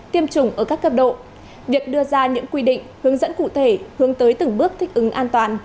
tiêm chủng ở các cấp độ việc đưa ra những quy định hướng dẫn cụ thể hướng tới từng bước thích ứng an toàn